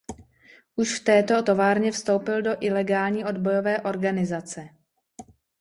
Už v této továrně vstoupil do ilegální odbojové organizace.